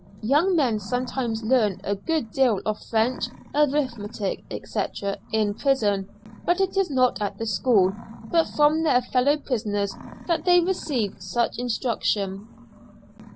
Young men sometimes learn a good deal of French, arithmetic, &c., in prison, but it is not at the school, but from their fellow prisoners that they receive such instruction.